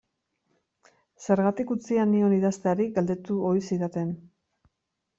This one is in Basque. Zergatik utzia nion idazteari galdetu ohi zidaten.